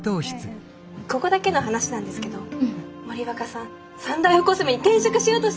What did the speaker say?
ここだけの話なんですけど森若さんサンライフコスメに転職しようとしてるらしいよ。